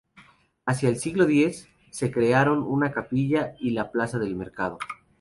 Hacia el siglo X, se crearon una capilla y la plaza del mercado.